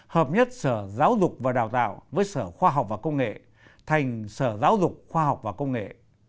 hợp nhất sở giáo dục và đào tạo với sở khoa học và công nghệ thành sở giáo dục khoa học và công nghệ